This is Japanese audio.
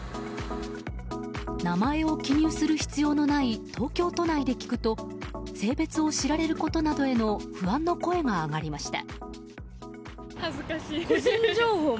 名前を記入する必要のない東京都内で聞くと性別を知られることなどへの不安の声が上がりました。